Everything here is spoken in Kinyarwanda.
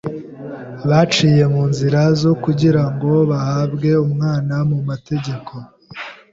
Baciye mu nzira zo kugirango bahabwe umwana mu mategeko